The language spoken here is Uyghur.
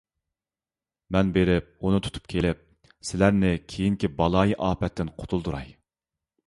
مەن بېرىپ ئۇنى تۇتۇپ كېلىپ، سىلەرنى كېيىنكى بالايىئاپەتتىن قۇتۇلدۇراي.